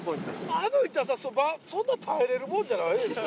あの痛さ、そんな耐えれるもんじゃないですよ。